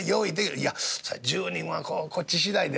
「いやそら１０人はこうこっち次第で」。